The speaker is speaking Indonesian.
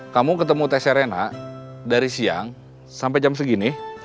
kamu ketemu tess serena dari siang sampai jam segini